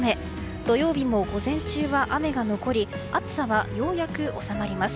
土曜日も午前中は雨が残り暑さがようやく収まります。